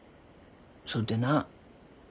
そっでな